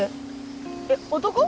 えっ男？